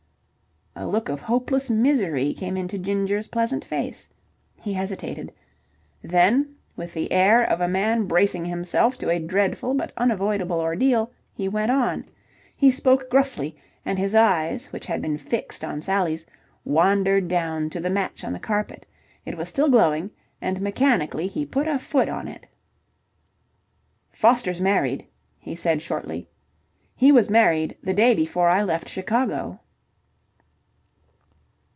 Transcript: A look of hopeless misery came into Ginger's pleasant face. He hesitated. Then, with the air of a man bracing himself to a dreadful, but unavoidable, ordeal, he went on. He spoke gruffly, and his eyes, which had been fixed on Sally's, wandered down to the match on the carpet. It was still glowing, and mechanically he put a foot on it. "Foster's married," he said shortly. "He was married the day before I left Chicago."